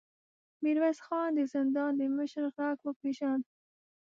ميرويس خان د زندان د مشر غږ وپېژاند.